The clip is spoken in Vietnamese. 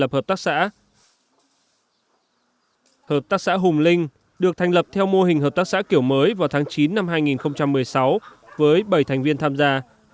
hợp tác xã hùng linh được thành lập theo mô hình hợp tác xã kiểu mới vào tháng chín năm hai nghìn một mươi sáu với bảy thành viên tham gia